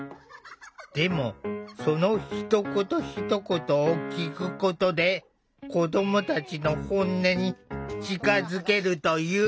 でもそのひと言ひと言を聴くことで子どもたちの本音に近づけるという。